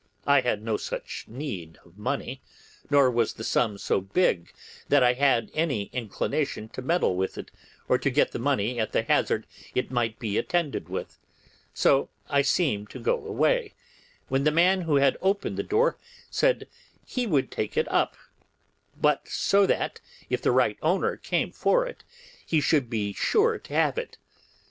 I had no such need of money, nor was the sum so big that I had any inclination to meddle with it, or to get the money at the hazard it might be attended with; so I seemed to go away, when the man who had opened the door said he would take it up, but so that if the right owner came for it he should be sure to have it.